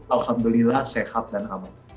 alhamdulillah sehat dan aman